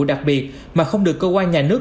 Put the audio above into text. đặc biệt mà không được cơ quan nhà nước